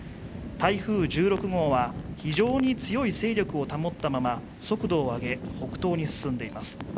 台風１６号は非常に強い勢力を保ったまま速度を上げ北東に進んでいます